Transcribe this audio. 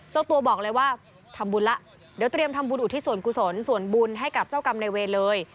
เจ้าตัวบอกเลยว่าทำบุญแล้วเดี๋ยวเตรียมทำบุญอุทิศส่วนกุศลส่วนบุญให้กับเจ้ากรรมในเวรเลย